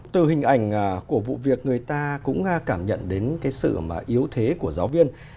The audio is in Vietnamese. từ hình ảnh của vụ việc người ta cũng cảm nhận đến cái sự yếu thế của giáo viên